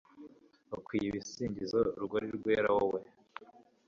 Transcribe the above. ukwiye ibisingizo rugori rwera, wowe